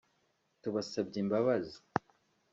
tubasabye Imbabazi